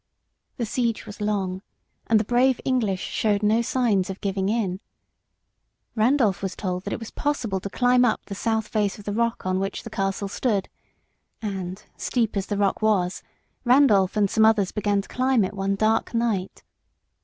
The siege was long, and the brave English showed no signs of giving in. Randolph was told that it was possible to climb up the south face of the rock on which the castle stood, and steep as the rock was, Randolph and some others began to climb it one dark night.